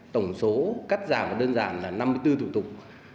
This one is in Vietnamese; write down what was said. tổng số cắt giảm và đơn giản là năm mươi bốn thủ tục